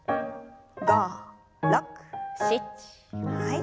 ５６７はい。